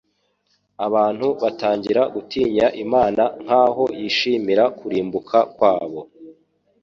Abantu batangira gutinya Imana nkaho yishimira kurimbuka kwabo